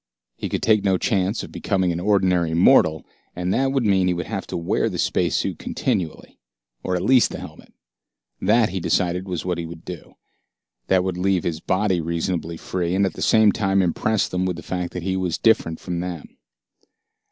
He could take no chance of becoming an ordinary mortal, and that would mean that he would have to wear the space suit continually. Or at least the helmet. That, he decided, was what he would do. That would leave his body reasonably free, and at the same time impress them with the fact that he was different from them.